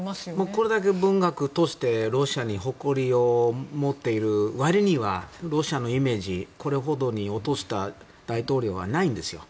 これだけ文学を通してロシアに誇りを持っている割にはロシアのイメージをこれほどに落とした大統領はいないんですよ。